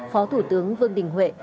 phó thủ tướng vương đình huệ